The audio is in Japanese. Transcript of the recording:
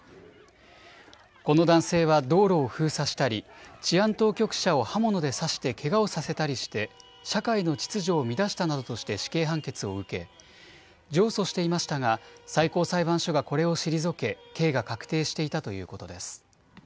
この男性は道路を封鎖したり治安当局者を刃物で刺してけがをさせたりして社会の秩序を乱したなどとして死刑判決を受け上訴していましたが最高裁判所がこれを退け、刑が確定していたということです。